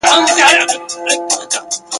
ډک له دوستانو ورک مي اغیار وي !.